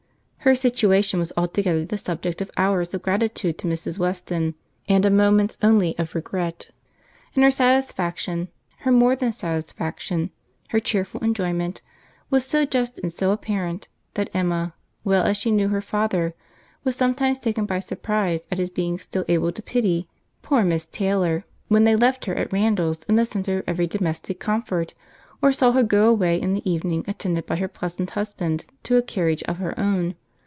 Her situation was altogether the subject of hours of gratitude to Mrs. Weston, and of moments only of regret; and her satisfaction—her more than satisfaction—her cheerful enjoyment, was so just and so apparent, that Emma, well as she knew her father, was sometimes taken by surprize at his being still able to pity 'poor Miss Taylor,' when they left her at Randalls in the centre of every domestic comfort, or saw her go away in the evening attended by her pleasant husband to a carriage of her own.